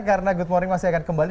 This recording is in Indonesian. karena good morning masih akan kembali